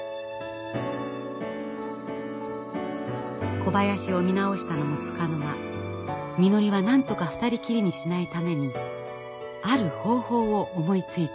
小林を見直したのもつかの間みのりはなんとか２人きりにしないためにある方法を思いついていました。